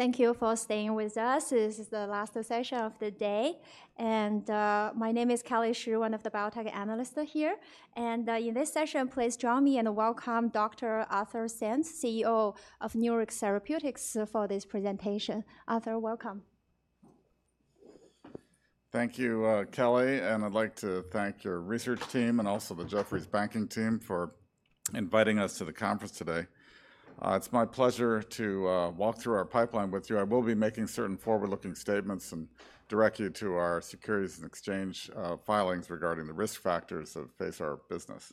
Thank you for staying with us. This is the last session of the day, and, my name is Kelly Shi, one of the biotech analysts here. In this session, please join me in a welcome Dr. Arthur Sands, CEO of Nurix Therapeutics, for this presentation. Arthur, welcome. Thank you, Kelly, and I'd like to thank your research team and also the Jefferies banking team for inviting us to the conference today. It's my pleasure to walk through our pipeline with you. I will be making certain forward-looking statements and direct you to our Securities and Exchange filings regarding the risk factors that face our business.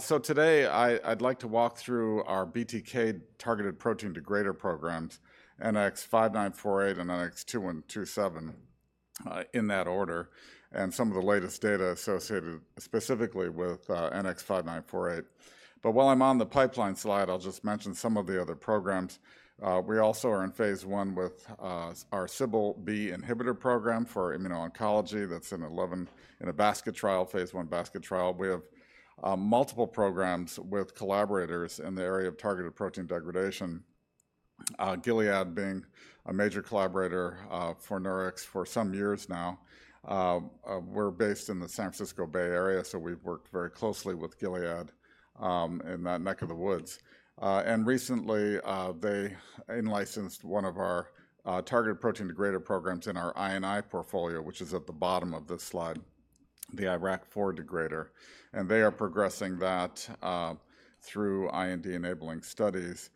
So today, I'd like to walk through our BTK-targeted protein degrader programs, NX-5948 and NX-2127, in that order, and some of the latest data associated specifically with NX-5948. But while I'm on the pipeline slide, I'll just mention some of the other programs. We also are in phase I with our CBL-B inhibitor program for immuno-oncology. That's in a basket trial, phase I basket trial. We have multiple programs with collaborators in the area of targeted protein degradation, Gilead being a major collaborator for Nurix for some years now. We're based in the San Francisco Bay Area, so we've worked very closely with Gilead in that neck of the woods. Recently, they in-licensed one of our targeted protein degrader programs in our internal portfolio, which is at the bottom of this slide, the IRAK4 degrader, and they are progressing that through IND-enabling studies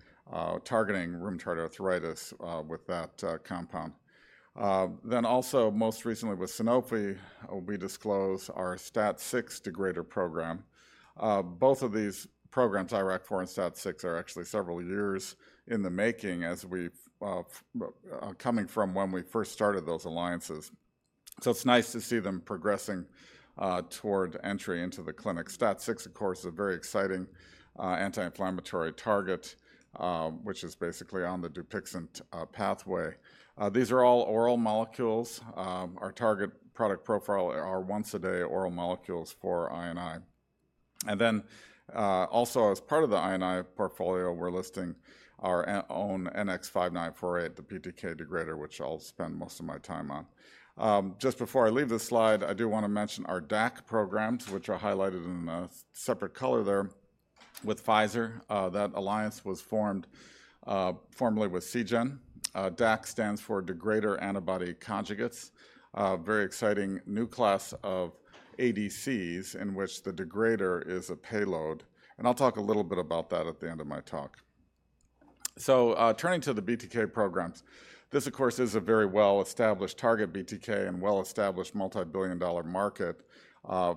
targeting rheumatoid arthritis with that compound. Then also, most recently with Sanofi, we disclose our STAT6 degrader program. Both of these programs, IRAK4 and STAT6, are actually several years in the making as we've coming from when we first started those alliances, so it's nice to see them progressing toward entry into the clinic. STAT6, of course, a very exciting anti-inflammatory target, which is basically on the Dupixent pathway. These are all oral molecules. Our target product profile are once-a-day oral molecules for I&I. And then, also as part of the INI portfolio, we're listing our own NX-5948, the BTK degrader, which I'll spend most of my time on. Just before I leave this slide, I do want to mention our DAC programs, which are highlighted in a separate color there with Pfizer. That alliance was formed formerly with Seagen. DAC stands for Degrader Antibody Conjugates, a very exciting new class of ADCs in which the degrader is a payload, and I'll talk a little bit about that at the end of my talk. So, turning to the BTK programs, this, of course, is a very well-established target, BTK, and well-established multi-billion dollar market,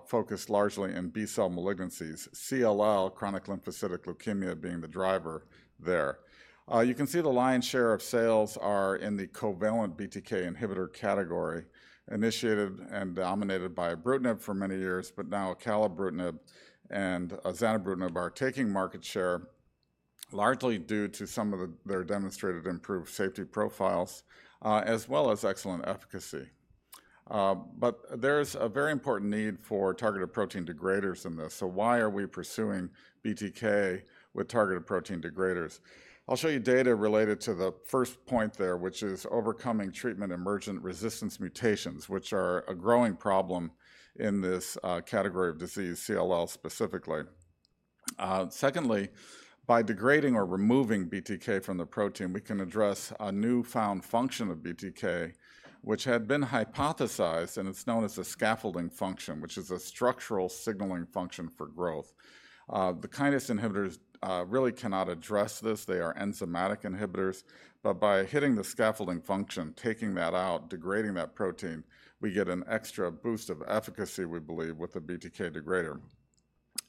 focused largely in B-cell malignancies, CLL, chronic lymphocytic leukemia, being the driver there. You can see the lion's share of sales are in the covalent BTK inhibitor category, initiated and dominated by Ibrutinib for many years, but now acalabrutinib and zanubrutinib are taking market share, largely due to some of their demonstrated improved safety profiles, as well as excellent efficacy. But there's a very important need for targeted protein degraders in this. So why are we pursuing BTK with targeted protein degraders? I'll show you data related to the first point there, which is overcoming treatment-emergent resistance mutations, which are a growing problem in this category of disease, CLL, specifically. Secondly, by degrading or removing BTK from the protein, we can address a newfound function of BTK, which had been hypothesized, and it's known as the scaffolding function, which is a structural signaling function for growth. The kinase inhibitors really cannot address this. They are enzymatic inhibitors, but by hitting the scaffolding function, taking that out, degrading that protein, we get an extra boost of efficacy, we believe, with the BTK degrader.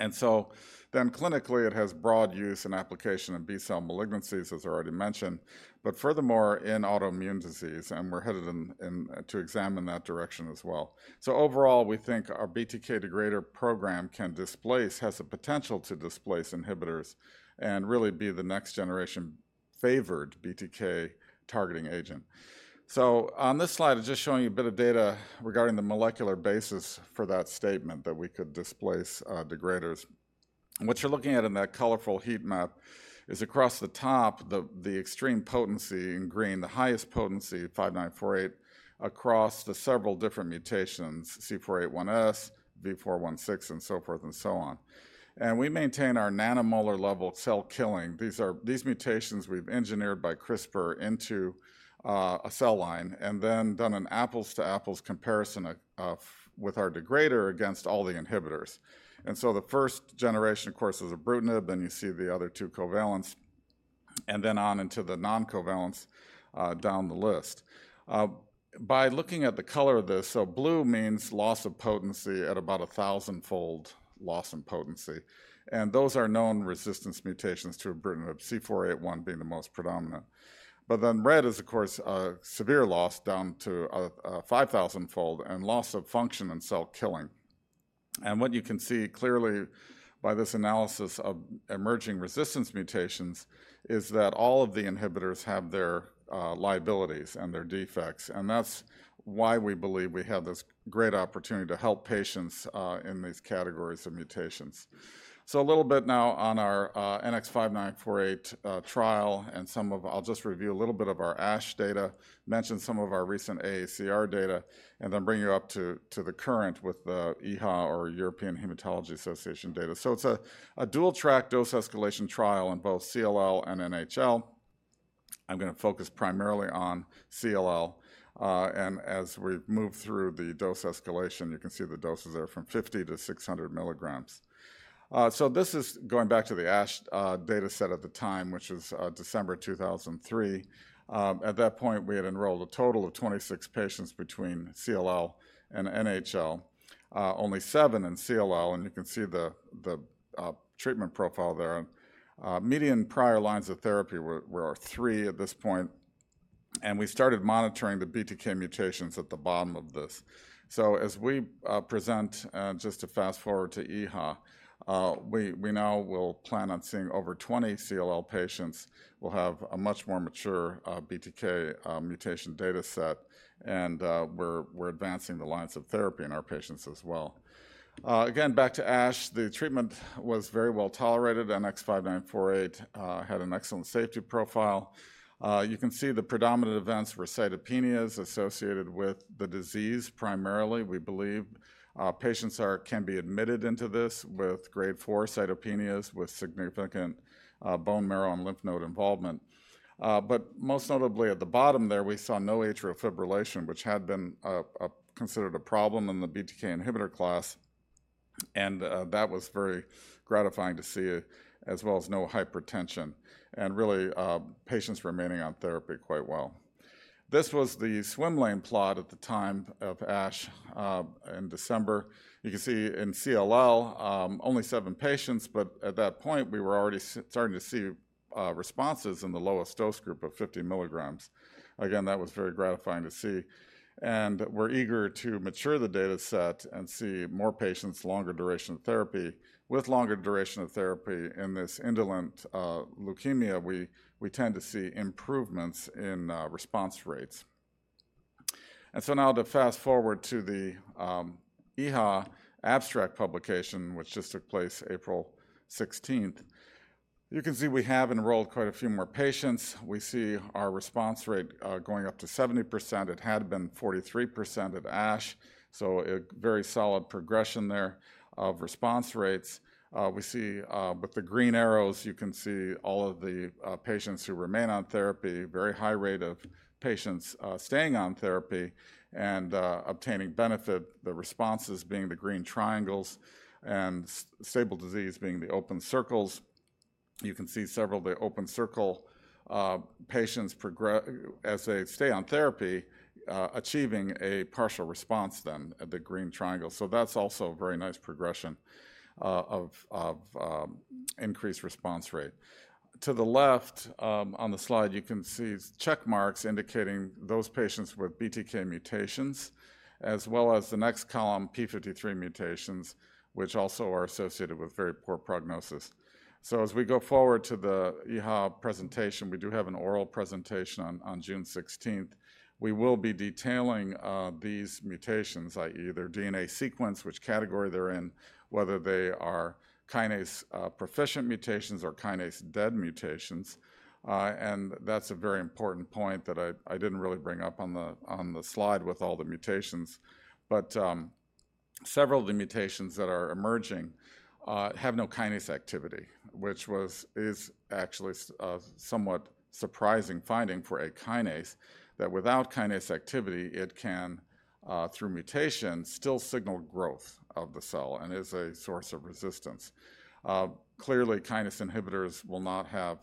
And so then clinically, it has broad use and application in B-cell malignancies, as already mentioned, but furthermore, in autoimmune disease, and we're headed in to examine that direction as well. So overall, we think our BTK degrader program can displace, has the potential to displace inhibitors and really be the next-generation favored BTK targeting agent. So on this slide, I'm just showing you a bit of data regarding the molecular basis for that statement, that we could displace, degraders. What you're looking at in that colorful heat map is, across the top, the extreme potency in green, the highest potency of 5948 across the several different mutations, C481S, V416, and so forth and so on. And we maintain our nanomolar level of cell killing. These are these mutations, we've engineered by CRISPR into a cell line and then done an apples-to-apples comparison of, with our degrader against all the inhibitors. So the first generation, of course, was Ibrutinib, then you see the other two covalents, and then on into the non-covalents, down the list. By looking at the color of this, so blue means loss of potency at about a 1,000-fold loss in potency, and those are known resistance mutations to Ibrutinib, C481 being the most predominant. But then red is, of course, a severe loss, down to a 5,000-fold and loss of function in cell killing. And what you can see clearly by this analysis of emerging resistance mutations is that all of the inhibitors have their liabilities and their defects, and that's why we believe we have this great opportunity to help patients in these categories of mutations. So a little bit now on our NX-5948 trial, and some of—I'll just review a little bit of our ASH data, mention some of our recent AACR data, and then bring you up to the current with the EHA or European Hematology Association data. So it's a dual-track dose escalation trial in both CLL and NHL. I'm gonna focus primarily on CLL, and as we move through the dose escalation, you can see the doses are from 50-600 milligrams. So this is going back to the ASH data set at the time, which is December 2023. At that point, we had enrolled a total of 26 patients between CLL and NHL, only 7 in CLL, and you can see the treatment profile there. Median prior lines of therapy were three at this point, and we started monitoring the BTK mutations at the bottom of this. So as we present, just to fast-forward to EHA, we now will plan on seeing over 20 CLL patients. We'll have a much more mature BTK mutation data set, and we're advancing the lines of therapy in our patients as well. Again, back to ASH, the treatment was very well tolerated, and NX-5948 had an excellent safety profile. You can see the predominant events were cytopenias associated with the disease. Primarily, we believe, patients can be admitted into this with grade 4 cytopenias, with significant bone marrow and lymph node involvement. But most notably, at the bottom there, we saw no atrial fibrillation, which had been considered a problem in the BTK inhibitor class, and that was very gratifying to see, as well as no hypertension, and really patients remaining on therapy quite well. This was the swim lane plot at the time of ASH in December. You can see in CLL only seven patients, but at that point, we were already starting to see responses in the lowest dose group of 50 milligrams. Again, that was very gratifying to see, and we're eager to mature the data set and see more patients, longer duration of therapy. With longer duration of therapy in this indolent leukemia, we tend to see improvements in response rates. And so now to fast-forward to the EHA abstract publication, which just took place April sixteenth, you can see we have enrolled quite a few more patients. We see our response rate going up to 70%. It had been 43% at ASH, so a very solid progression there of response rates. We see with the green arrows, you can see all of the patients who remain on therapy, very high rate of patients staying on therapy and obtaining benefit, the responses being the green triangles and stable disease being the open circles. You can see several of the open circle patients progress as they stay on therapy, achieving a partial response then, the green triangle. So that's also a very nice progression of increased response rate. To the left, on the slide, you can see check marks indicating those patients with BTK mutations, as well as the next column, p53 mutations, which also are associated with very poor prognosis. So as we go forward to the EHA presentation, we do have an oral presentation on June 16. We will be detailing these mutations, i.e., their DNA sequence, which category they're in, whether they are kinase proficient mutations or kinase-dead mutations. And that's a very important point that I didn't really bring up on the slide with all the mutations. But several of the mutations that are emerging have no kinase activity, which is actually a somewhat surprising finding for a kinase, that without kinase activity, it can, through mutation, still signal growth of the cell and is a source of resistance. Clearly, kinase inhibitors will not have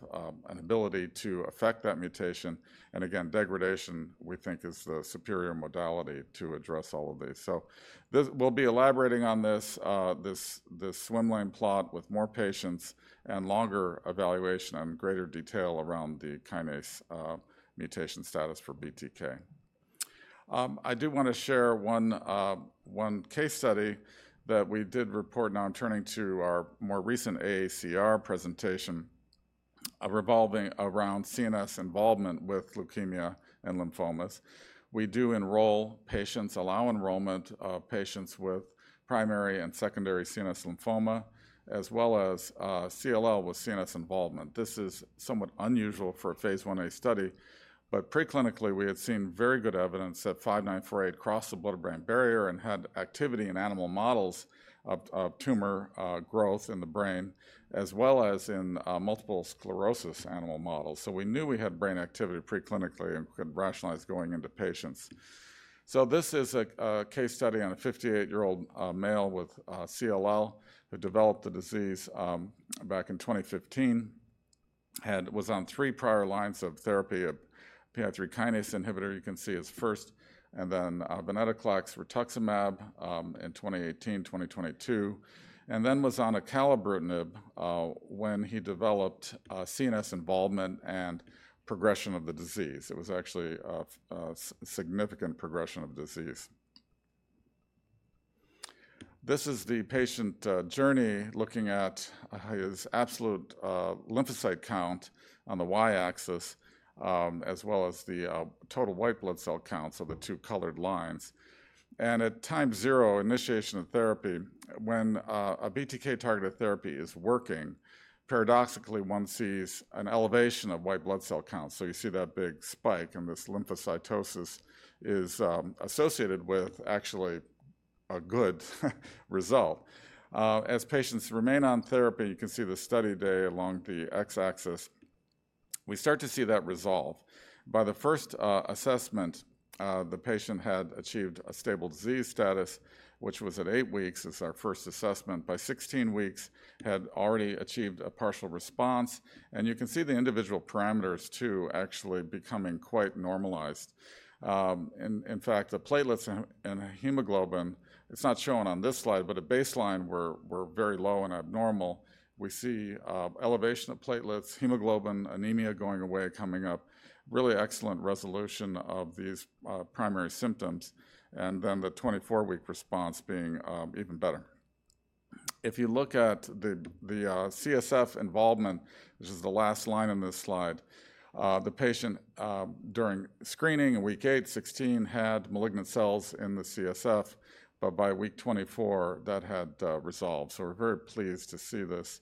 an ability to affect that mutation, and again, degradation, we think, is the superior modality to address all of these. So this—we'll be elaborating on this swim lane plot with more patients and longer evaluation and greater detail around the kinase mutation status for BTK. I do want to share one case study that we did report. Now, I'm turning to our more recent AACR presentation revolving around CNS involvement with leukemia and lymphomas. We do enroll patients, allow enrollment of patients with primary and secondary CNS lymphoma, as well as CLL with CNS involvement. This is somewhat unusual for a phase I study, but preclinically, we had seen very good evidence that NX-5948 crossed the blood-brain barrier and had activity in animal models of tumor growth in the brain, as well as in multiple sclerosis animal models. So we knew we had brain activity preclinically and could rationalize going into patients. So this is a case study on a 58-year-old male with CLL, who developed the disease back in 2015, and was on three prior lines of therapy, a PI3 kinase inhibitor. You can see his first, and then venetoclax, rituximab in 2018, 2022, and then was on acalabrutinib when he developed CNS involvement and progression of the disease. It was actually a significant progression of disease. This is the patient journey, looking at his absolute lymphocyte count on the Y-axis, as well as the total white blood cell count, so the two colored lines. And at time 0, initiation of therapy, when a BTK-targeted therapy is working, paradoxically, one sees an elevation of white blood cell counts. So you see that big spike, and this lymphocytosis is associated with actually a good result. As patients remain on therapy, you can see the study day along the X-axis, we start to see that resolve. By the first assessment, the patient had achieved a stable disease status, which was at eight weeks, is our first assessment. By 16 weeks, had already achieved a partial response, and you can see the individual parameters, too, actually becoming quite normalized. In fact, the platelets and hemoglobin, it's not shown on this slide, but at baseline were very low and abnormal. We see elevation of platelets, hemoglobin, anemia going away, coming up, really excellent resolution of these primary symptoms, and then the 24-week response being even better. If you look at the CSF involvement, which is the last line in this slide, the patient during screening in week 8, 16, had malignant cells in the CSF, but by week 24, that had resolved. So we're very pleased to see this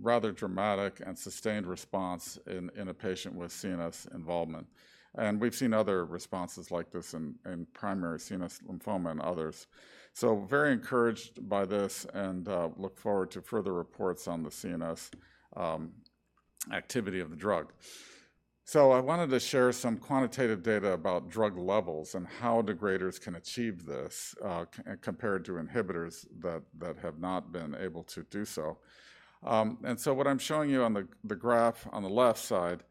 rather dramatic and sustained response in a patient with CNS involvement. We've seen other responses like this in primary CNS lymphoma and others. So very encouraged by this and look forward to further reports on the CNS activity of the drug. So I wanted to share some quantitative data about drug levels and how degraders can achieve this compared to inhibitors that have not been able to do so. And so what I'm showing you on the graph on the left side,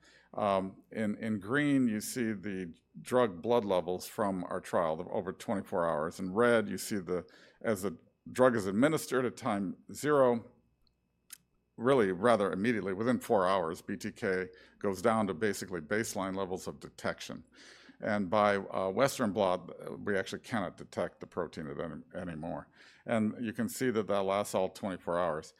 in green, you see the drug blood levels from our trial of over 24 hours. In red, you see as the drug is administered at time zero, really rather immediately, within four hours, BTK goes down to basically baseline levels of detection, and by western blot, we actually cannot detect the protein anymore. And you can see that that lasts all 24 hours.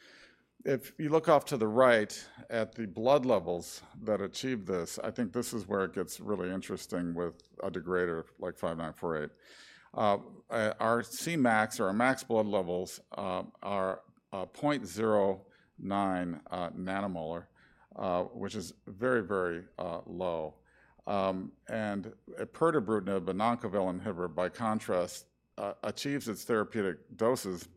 If you look off to the right at the blood levels that achieve this, I think this is where it gets really interesting with a degrader like 5948. Our Cmax, or our max blood levels, are 0.09 nanomolar, which is very, very low. And pirtobrutinib, a non-covalent inhibitor, by contrast, achieves its therapeutic doses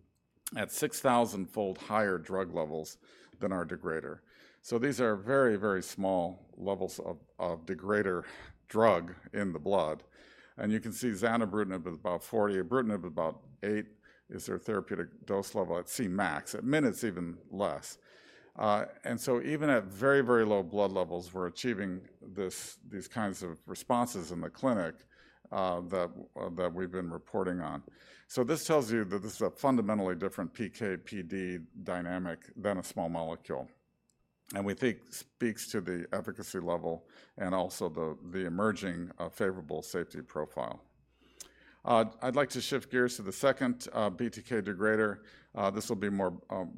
at 6,000-fold higher drug levels than our degrader. So these are very, very small levels of degrader drug in the blood, and you can see zanubrutinib is about 40, ibrutinib about 8, is their therapeutic dose level at Cmax. At min, it's even less. And so even at very, very low blood levels, we're achieving this, these kinds of responses in the clinic that we've been reporting on. So this tells you that this is a fundamentally different PK/PD dynamic than a small molecule, and we think speaks to the efficacy level and also the emerging favorable safety profile. I'd like to shift gears to the second BTK degrader. This will be more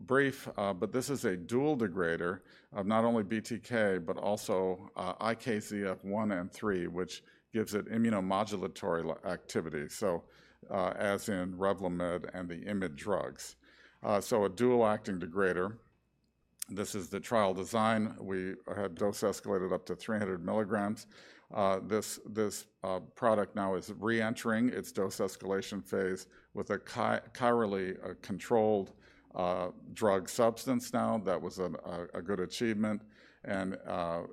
brief, but this is a dual degrader of not only BTK, but also IKZF1 and 3, which gives it immunomodulatory activity, so as in Revlimid and the IMiD drugs. So a dual-acting degrader, this is the trial design. We had dose escalated up to 300 milligrams. This product now is reentering its dose escalation phase with a chirally controlled drug substance now. That was a good achievement and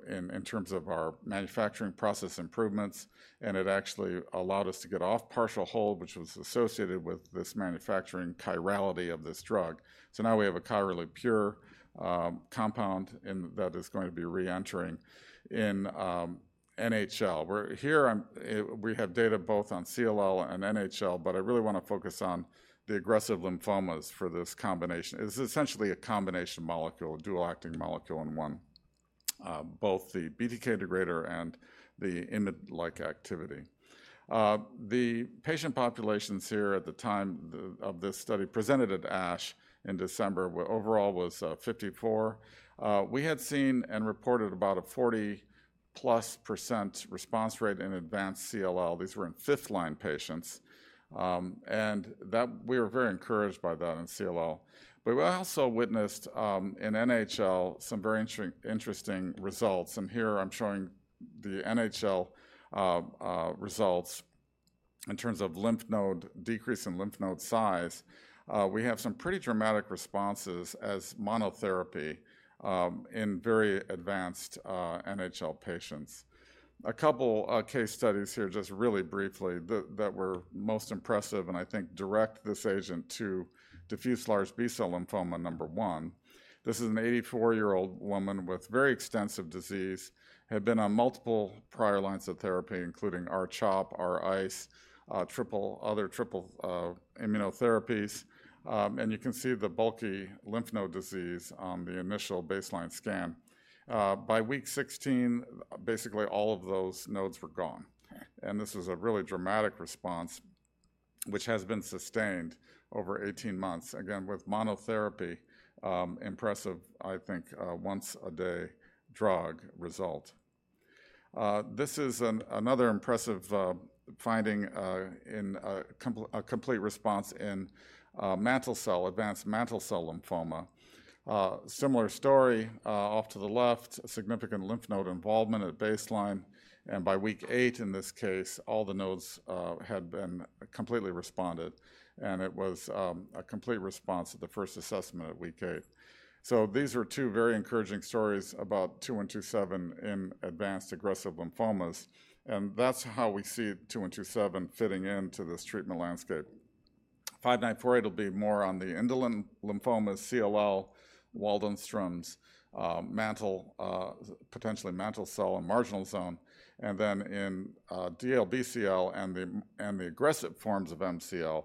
in terms of our manufacturing process improvements, and it actually allowed us to get off partial hold, which was associated with this manufacturing chirality of this drug. So now we have a chirally pure compound that is going to be reentering in NHL. Here, we have data both on CLL and NHL, but I really want to focus on the aggressive lymphomas for this combination. It's essentially a combination molecule, a dual-acting molecule in one, both the BTK degrader and the IMiD-like activity. The patient populations here at the time of this study presented at ASH in December, where overall was 54. We had seen and reported about a +4% response rate in advanced CLL. These were in fifth-line patients, and we were very encouraged by that in CLL. But we also witnessed in NHL some very interesting results, and here I'm showing the NHL results in terms of lymph node decrease in lymph node size. We have some pretty dramatic responses as monotherapy in very advanced NHL patients. A couple case studies here, just really briefly, that were most impressive, and I think direct this agent to diffuse large B-cell lymphoma, number one. This is an 84-year-old woman with very extensive disease, had been on multiple prior lines of therapy, including R-CHOP, R-ICE, other triple immunotherapies. And you can see the bulky lymph node disease on the initial baseline scan. By week 16, basically all of those nodes were gone, and this is a really dramatic response... which has been sustained over 18 months. Again, with monotherapy, impressive, I think, once-a-day drug result. This is another impressive finding in a complete response in mantle cell, advanced mantle cell lymphoma. Similar story, off to the left, significant lymph node involvement at baseline, and by week eight, in this case, all the nodes had been completely responded, and it was a complete response at the first assessment at week eight. So these are two very encouraging stories about NX-2127 in advanced aggressive lymphomas, and that's how we see NX-2127 fitting into this treatment landscape. NX-5948 will be more on the indolent lymphomas, CLL, Waldenstrom's, mantle, potentially mantle cell and marginal zone, and then in DLBCL and the aggressive forms of MCL,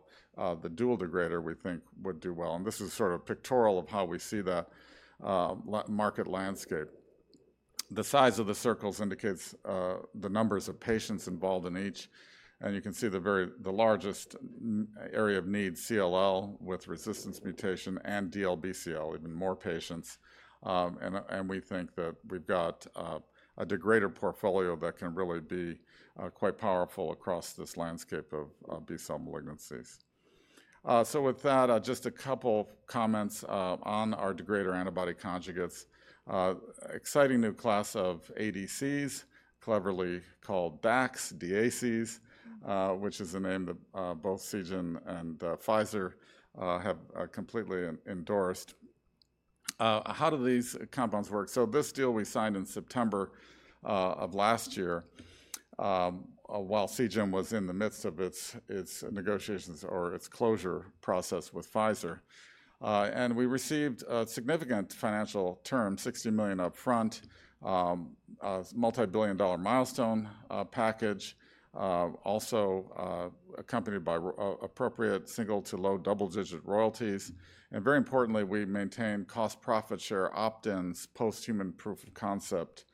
the dual degrader, we think, would do well. And this is sort of pictorial of how we see the market landscape. The size of the circles indicates the numbers of patients involved in each, and you can see the very largest area of need, CLL, with resistance mutation and DLBCL, even more patients. And we think that we've got a degrader portfolio that can really be quite powerful across this landscape of B-cell malignancies. So with that, just a couple comments on our degrader antibody conjugates. Exciting new class of ADCs, cleverly called DACs, which is a name that both Seagen and Pfizer have completely endorsed. How do these compounds work? So this deal we signed in September of last year, while Seagen was in the midst of its negotiations or its closure process with Pfizer. And we received a significant financial term, $60 million upfront, a multibillion-dollar milestone package, also, accompanied by appropriate single- to low double-digit royalties. And very importantly, we maintained cost profit share opt-ins post human proof of concept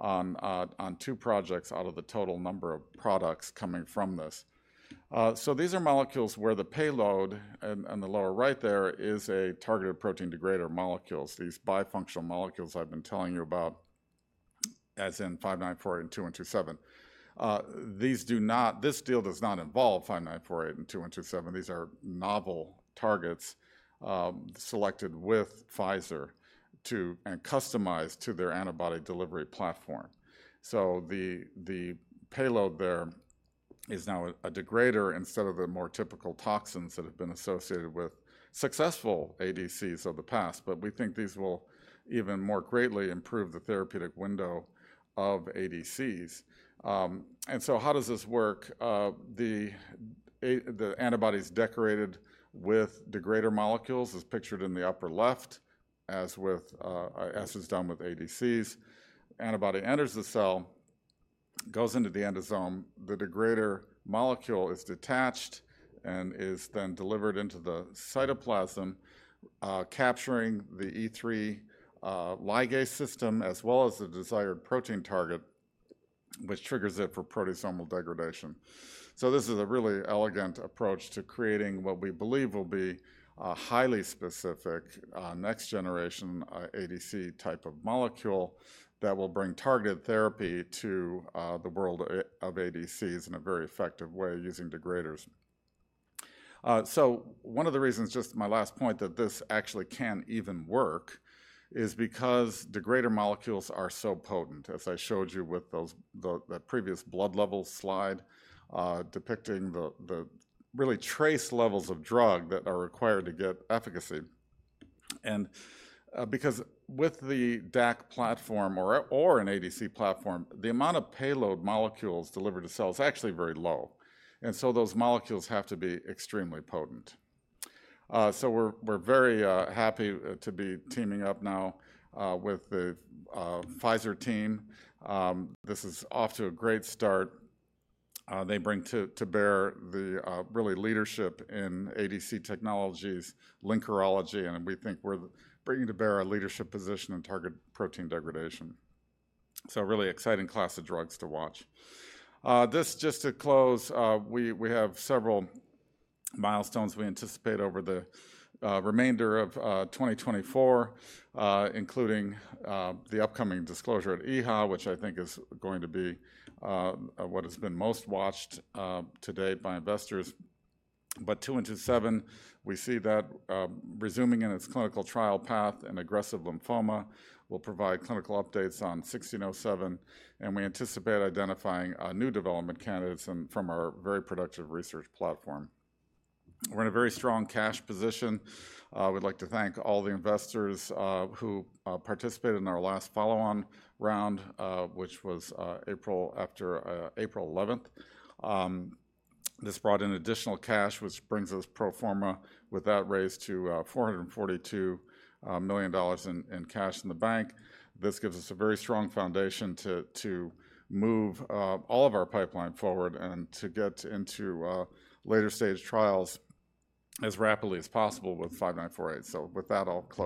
on two projects out of the total number of products coming from this. So these are molecules where the payload, in the lower right there, is a targeted protein degrader molecules, these bifunctional molecules I've been telling you about, as in 5948 and 2127. These do not. This deal does not involve 5948 and 2127. These are novel targets, selected with Pfizer to--and customized to their antibody delivery platform. So the payload there is now a degrader instead of the more typical toxins that have been associated with successful ADCs of the past. But we think these will even more greatly improve the therapeutic window of ADCs. And how does this work? The antibody is decorated with degrader molecules, as pictured in the upper left, as with, as is done with ADCs. Antibody enters the cell, goes into the endosome, the degrader molecule is detached and is then delivered into the cytoplasm, capturing the E3 ligase system, as well as the desired protein target, which triggers it for proteasomal degradation. So this is a really elegant approach to creating what we believe will be a highly specific, next-generation ADC type of molecule that will bring targeted therapy to the world of ADCs in a very effective way using degraders. So one of the reasons, just my last point, that this actually can even work is because degrader molecules are so potent. As I showed you with that previous blood level slide depicting the really trace levels of drug that are required to get efficacy. And because with the DAC platform or an ADC platform, the amount of payload molecules delivered to cells is actually very low, and so those molecules have to be extremely potent. So we're very happy to be teaming up now with the Pfizer team. This is off to a great start. They bring to bear the real leadership in ADC technologies, linkerology, and we think we're bringing to bear a leadership position in targeted protein degradation. So a really exciting class of drugs to watch. This, just to close, we have several milestones we anticipate over the remainder of 2024, including the upcoming disclosure at EHA, which I think is going to be what has been most watched to date by investors. But NX-2127, we see that resuming in its clinical trial path in aggressive lymphoma, we'll provide clinical updates on NX-1607, and we anticipate identifying new development candidates from our very productive research platform. We're in a very strong cash position. We'd like to thank all the investors who participated in our last follow-on round, which was after April eleventh. This brought in additional cash, which brings us pro forma with that raise to $442 million in cash in the bank. This gives us a very strong foundation to move all of our pipeline forward and to get into later-stage trials as rapidly as possible with NX-5948. With that, I'll close.